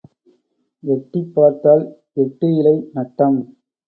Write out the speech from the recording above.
எட்டிப் பார்த்தால் எட்டு இழை நட்டம்.